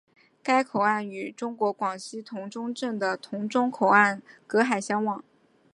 该口岸与中国广西峒中镇的峒中口岸隔河相望。